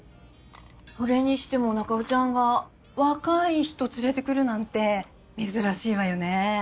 それにしても中尾ちゃんが若い人連れてくるなんて珍しいわよね。